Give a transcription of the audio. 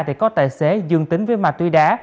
thì có tài xế dương tính với ma túy đá